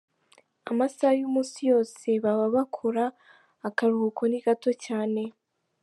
Amasaha y’umunsi yose baba bakora, akaruhuko ni gato cyane.